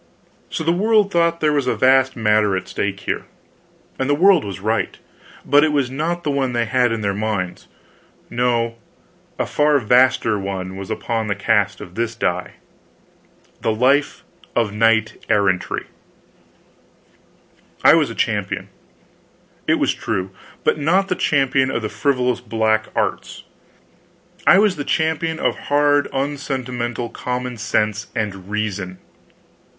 So the world thought there was a vast matter at stake here, and the world was right, but it was not the one they had in their minds. No, a far vaster one was upon the cast of this die: the life of knight errantry. I was a champion, it was true, but not the champion of the frivolous black arts, I was the champion of hard unsentimental common sense and reason.